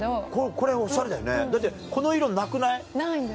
これおしゃれだよねだってこの色なくない？ないんです。